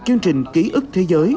chương trình ký ức thế giới